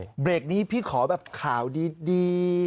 เดี๋ยวเบรกนี้พี่ขอแบบข่าวดี